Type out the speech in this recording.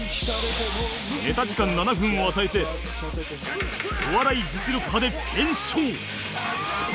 ネタ時間７分を与えて『お笑い実力刃』で検証